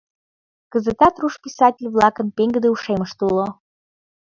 Кызытат руш писатель-влакын пеҥгыде Ушемышт уло.